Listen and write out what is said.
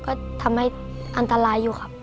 ก็ทำให้อันตรายอยู่ครับ